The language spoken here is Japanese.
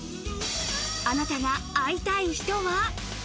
あなたが会いたい人は。